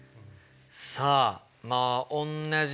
さあまあおんなじ